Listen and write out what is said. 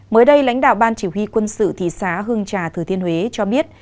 mới đây lãnh đạo ban chỉ huy quân sự thị xã hương trà thừa thiên huế cho biết